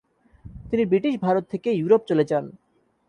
তিনি ব্রিটিশ ভারত থেকে ইউরোপ চলে যান।